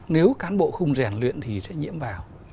nếu cán bộ không rèn luyện thì sẽ nhiễm vào